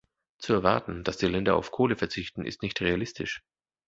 Zu erwarten, dass die Länder auf Kohle verzichten, ist nicht realistisch.